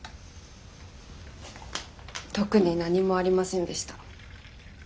特に何もありませんでした。